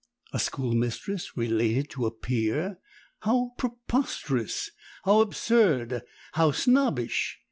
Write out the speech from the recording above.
A schoolmistress related to a peer! How preposterous! how absurd! how snobbish!